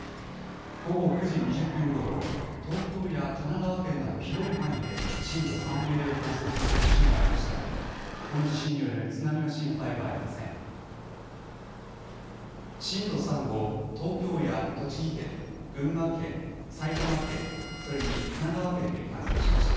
午後９時２０分ごろ東京や神奈川県など広い範囲で震度３の揺れを観測する地震がありました。